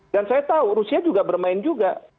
dan saya tahu rusia juga bermain juga